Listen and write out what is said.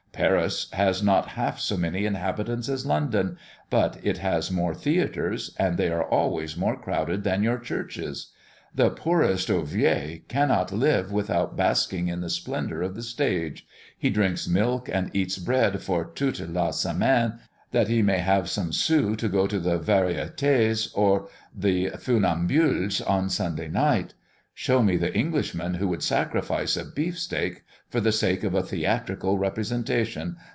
Paris has not half so many inhabitants as London; but it has more theatres, and they are always more crowded than your churches. The poorest ouvrier cannot live without basking in the splendour of the stage; he drinks milk and eats bread for toute la semaine, that he may have some sous to go to the Variétés or the Funambules on Sunday night. Show me the Englishman who would sacrifice a beefsteak for the sake of a theatrical representation.